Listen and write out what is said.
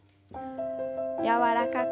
柔らかく。